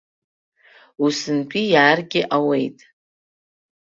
Усынтәи иааргьы ауеит.